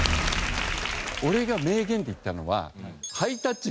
俺が名言って言ったのは「ハイタッチ！